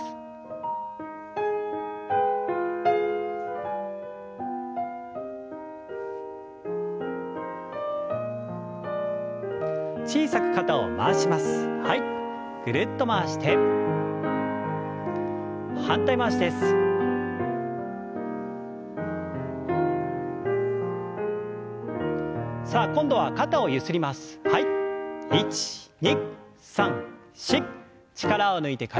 力を抜いて軽く。